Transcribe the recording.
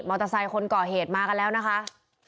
เตอร์ไซค์คนก่อเหตุมากันแล้วนะคะ